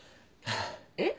えっ？